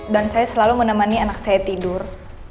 dan saya selalu menemani anak saya tidur